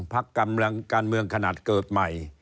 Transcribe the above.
พักการเมืองขนาดเกิดใหม่